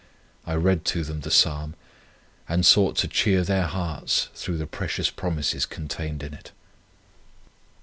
I read to them the Psalm, and sought to cheer their hearts through the precious promises contained in it."